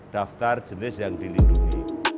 daftar jenis yang dilindungi